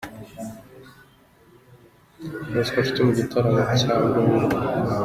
Bosco Nshuti mu gitaramo cya Mpundu Bruno.